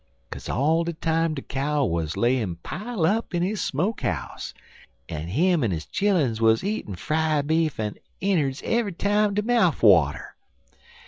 "Kase all de time de cow wuz layin' pile up in his smoke 'ouse, en him en his chilluns wuz eatin' fried beef an inguns eve'y time dey mouf water.